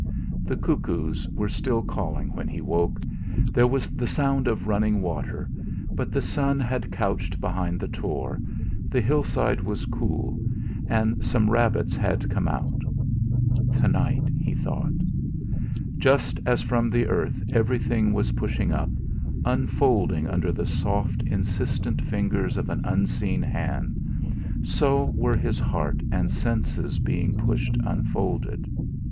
The cuckoos were still calling when he woke, there was the sound of running water; but the sun had couched behind the tor, the hillside was cool, and some rabbits had come out. 'Tonight!' he thought. Just as from the earth everything was pushing up, unfolding under the soft insistent fingers of an unseen hand, so were his heart and senses being pushed, unfolded.